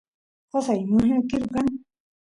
qosay lluqñakilu kan